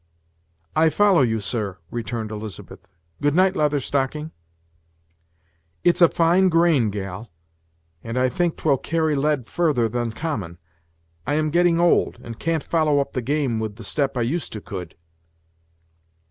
"I follow you, sir," returned Elizabeth "good night, Leather Stocking." "It's a fine grain, gal, and I think twill carry lead further than common. I am getting old, and can't follow up the game with the step I used to could."